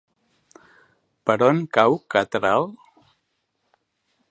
Per on cau Catral?